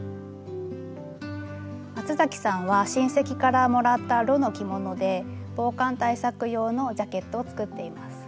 松嵜さんは親戚からもらった絽の着物で防寒対策用のジャケットを作っています。